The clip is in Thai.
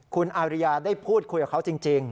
คุณอาริยาได้พูดคุยกับเขาจริง